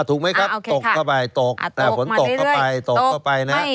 ถูกมั้ยครับตกเข้าไป